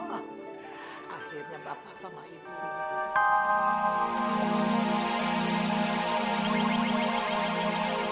akhirnya bapak sama ibu